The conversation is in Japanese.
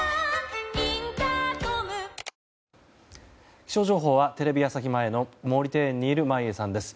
気象情報はテレビ朝日前の毛利庭園にいる眞家さんです。